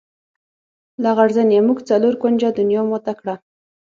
لغړزنیه! موږ څلور کونجه دنیا ماته کړه.